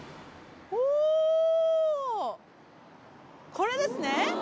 これですね。